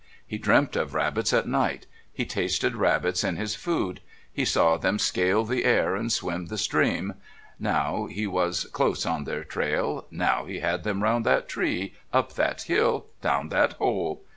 He dreamt of Rabbits at night, he tasted Rabbits in his food, he saw them scale the air and swim the stream now, he was close on their trail, now he had them round that tree, up that hill, down that hole...